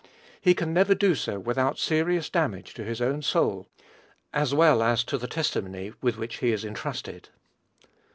He can never do so without serious damage to his own soul, as well as to the testimony with which he is entrusted.